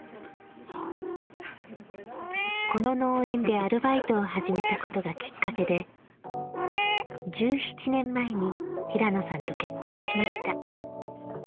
この農園でアルバイトを始めたことがきっかけで１７年前に平野さんと結婚しました。